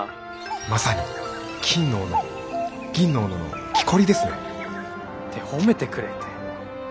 「まさに『金の斧銀の斧』のきこりですね」。って褒めてくれて。